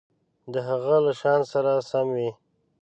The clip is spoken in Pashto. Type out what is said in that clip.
د هغه له شأن سره سم وي.